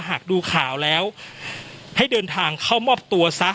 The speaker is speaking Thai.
หากดูข่าวแล้วให้เดินทางเข้ามอบตัวซะ